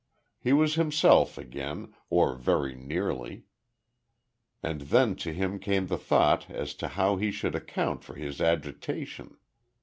He was himself again, or very nearly. And then to him came the thought as to how he should account for his agitation.